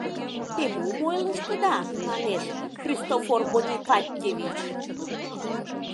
— Те мом ойлыштыда, — манеш, — Христофор Бонифатьевич!